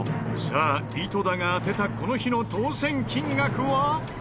さあ井戸田が当てたこの日の当せん金額は。